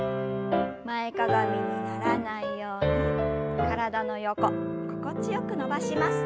前かがみにならないように体の横心地よく伸ばします。